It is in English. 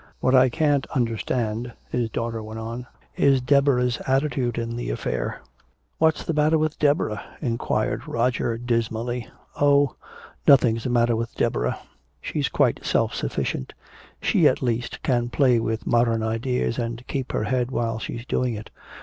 What I can't understand," his daughter went on, "is Deborah's attitude in the affair." "What's the matter with Deborah?" inquired Roger dismally. "Oh, nothing's the matter with Deborah. She's quite self sufficient. She at least can play with modern ideas and keep her head while she's doing it.